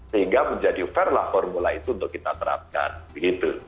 sehingga menjadi fairlah formula itu untuk kita terapkan begitu